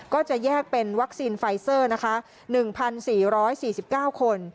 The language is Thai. ก็จะแยกเป็นวัคซีนไฟเซอร์นะคะ๑๔๔๙คน